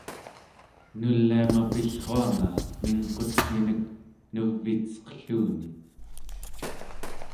nuliama pillruanga mingqutminek nuv'icesqelluni